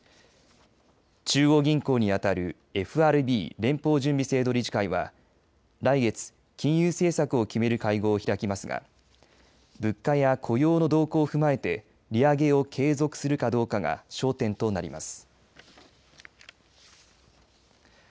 中央銀行に当たるＦＲＢ連邦準備制度理事会は来月、金融政策を決める会合を開きますが物価や雇用の動向を踏まえて利上げを継続するかどうかが焦点になります。